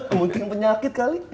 mungkin penyakit kali